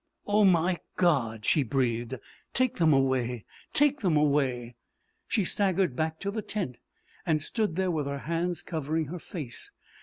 "Oh, my God!" she breathed. "Take them away take them away!" She staggered back to the tent, and stood there with her hands covering her face.